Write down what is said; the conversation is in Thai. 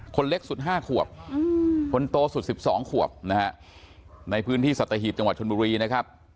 คนเล็กสุด๕ขวบคนโตสุด๑๒ขวบนะฮะในพื้นที่สัตหีบจังหวัดชนบุรีนะครับ